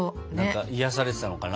癒やされてたのかな？